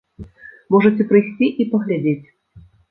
Можаце прыйсці і паглядзець.